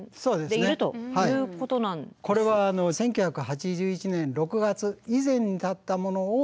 これは１９８１年６月以前に建ったものを耐震性がない。